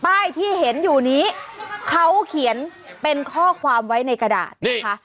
ป้ายที่เห็นอยู่นี้เขาเขียนเป็นข้อความไว้ในกระดาษนะคะ